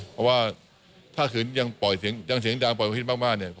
เพราะว่าถ้าคืนยังเสียงดังปล่อยมูลพิษมาก